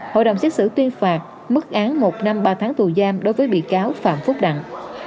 hội đồng xét xử tuyên phạt mức án một năm ba tháng tù giam đối với bị cáo phạm phúc đặng